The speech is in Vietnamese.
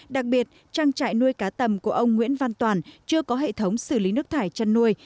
đặc biệt trang trại nuôi cá tầm của ông nguyễn văn toàn chưa có hệ thống xử lý nước thải chăn nuôi